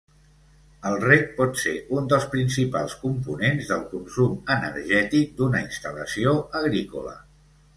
El reg pot ser un dels principals components del consum energètic d'una instal·lació agrícola.